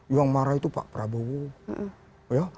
yang marah itu pak prabowo